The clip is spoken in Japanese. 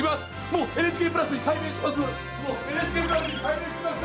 もうＮＨＫプラスに改名しました！